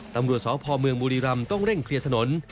ตำรวจสพเมืองบุรีรำต้องเร่งเคลียร์ถนน